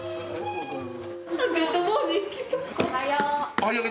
おはよう。